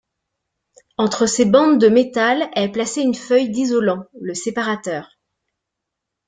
Entre ces bandes de métal est placée une feuille d'isolant, le séparateur.